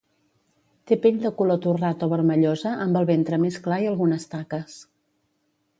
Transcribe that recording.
Té pell de color torrat o vermellosa amb el ventre més clar i algunes taques.